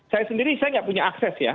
saya sendiri saya nggak punya akses ya